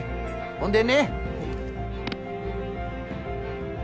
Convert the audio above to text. ほんでね。